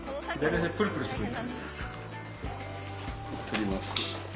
取ります。